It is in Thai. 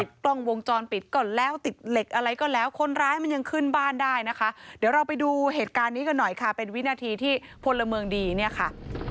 กล้องวงจรปิดก่อนแล้วติดเหล็กอะไรก็แล้วคนร้ายมันยังขึ้นบ้านได้นะคะเดี๋ยวเราไปดูเหตุการณ์นี้กันหน่อยค่ะเป็นวินาทีที่พลเมืองดีเนี่ยค่ะ